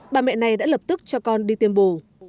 bà mẹ này đã lập tức cho con đi tiêm bù